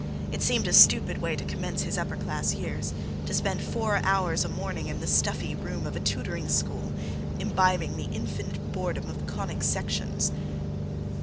It seemed a stupid way to commence his upper class years, to spend four hours a morning in the stuffy room of a tutoring school, imbibing the infinite boredom of conic sections.